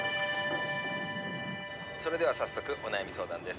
「それでは早速お悩み相談です」